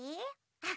あっ！